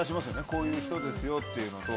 こういう人ですよっていうのと。